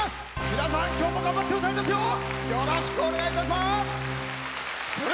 皆さん今日も頑張って歌いますよ。